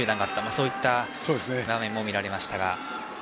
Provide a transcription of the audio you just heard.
そういった場面も見られました。